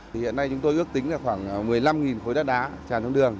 hiện nay chúng tôi ước tính là khoảng một mươi năm khối đất đá tràn trong đường